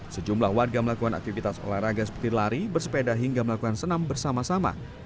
sejumlah warga melakukan aktivitas olahraga seperti lari bersepeda hingga melakukan senam bersama sama